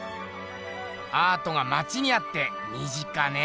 アートがまちにあって身近ねぇ。